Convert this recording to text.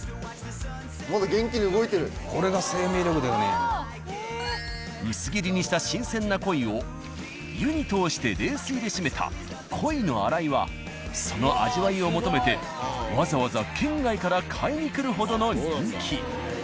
まだこれが薄切りにした新鮮な鯉を湯に通して冷水でしめた鯉のあらいはその味わいを求めてわざわざ県外から買いに来るほどの人気。